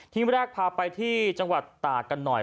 ทีมแรกพาไปที่จังหวัดตากน้อย